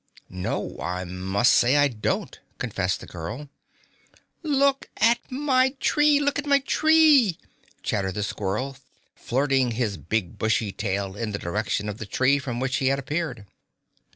"No, I must say I don't," confessed the girl. "Look at my tree look at my tree!" chattered the squirrel, flirting his big bushy tail in the direction of the tree from which he had appeared.